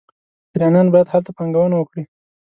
ایرانیان باید هلته پانګونه وکړي.